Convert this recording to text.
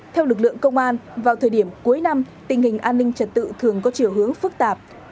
theo lực lượng công an vào thời điểm cuối năm tình hình an ninh trật tự thường có chiều hướng phức tạp